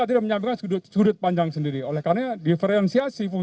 terima kasih pak